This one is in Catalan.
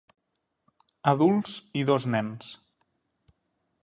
Adults i dos nens.